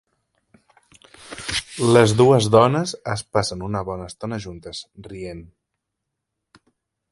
Les dues dones es passen una bona estona juntes, rient.